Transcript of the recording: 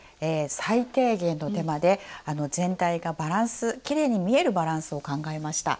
最低限の手間で全体がバランスきれいに見えるバランスを考えました。